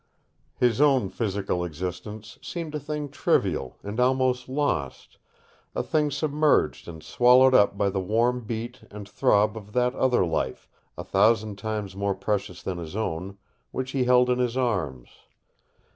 His own physical existence seemed a thing trivial and almost lost, a thing submerged and swallowed up by the warm beat and throb of that other life, a thousand times more precious than his own, which he held in his arms.